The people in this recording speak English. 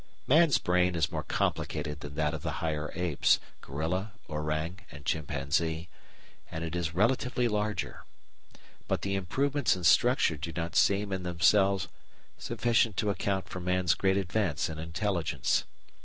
Man's brain is more complicated than that of the higher apes gorilla, orang, and chimpanzee and it is relatively larger. But the improvements in structure do not seem in themselves sufficient to account for man's great advance in intelligence.